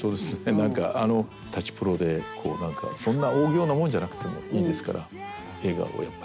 何かあの舘プロでこう何かそんな大仰なもんじゃなくてもいいですから映画をやっぱりやって。